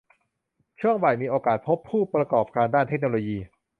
ช่วงบ่ายมีโอกาสพบผู้ประกอบการด้านเทคโนโลยี